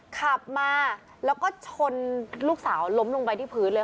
ขับมาแล้วก็ชนลูกสาวล้มลงไปที่พื้นเลย